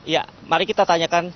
ya mari kita tanyakan